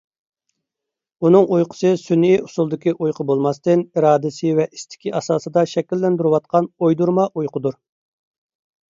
ئۇنىڭ ئۇيقۇسى سۈنئىي ئۇسۇلدىكى ئۇيقۇ بولماستىن، ئىرادىسى ۋە ئىستىكى ئاساسىدا شەكىللەندۈرۈۋالغان ئويدۇرما ئۇيقىدۇر.